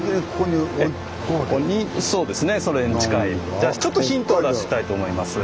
じゃあちょっとヒントを出したいと思います。